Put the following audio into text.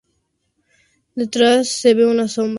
Detrás se ve una sombra.